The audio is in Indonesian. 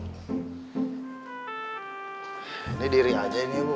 ini diri aja ini bu